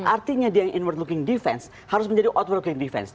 artinya dia yang inward looking defense harus menjadi outwarin defense